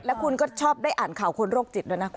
แล้วคุณก็ชอบได้อ่านข่าวคนโรคจิตด้วยนะคุณ